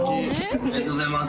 おめでとうございます。